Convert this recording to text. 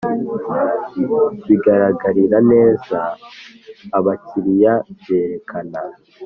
Bigaragarira neza abakiriya byerekana